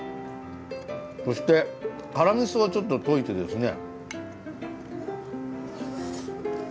そして辛みそをちょっと溶いてですね。